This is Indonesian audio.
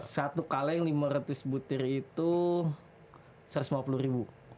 satu kaleng rp lima ratus itu rp satu ratus lima puluh